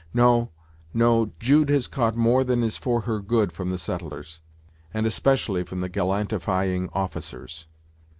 No, no, Jude has caught more than is for her good from the settlers, and especially from the gallantifying officers."